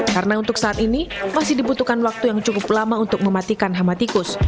karena untuk saat ini masih dibutuhkan waktu yang cukup lama untuk mematikan hama tikus